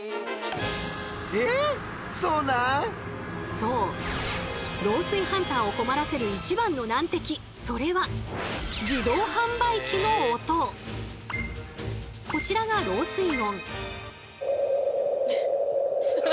そう漏水ハンターを困らせる一番の難敵それはこちらが漏水音。